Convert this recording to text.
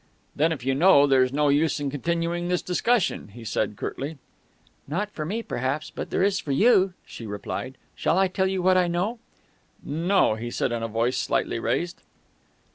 "Then if you know, there's no use in continuing this discussion," he said curtly. "Not for me, perhaps, but there is for you," she replied. "Shall I tell you what I know?" "No," he said in a voice slightly raised.